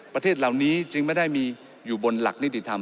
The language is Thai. ประเทศเหล่านี้จึงไม่ได้มีอยู่บนหลักนิติธรรม